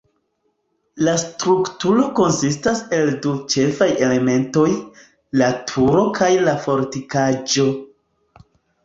La strukturo konsistas el du ĉefaj elementoj: la turo kaj la fortikaĵo.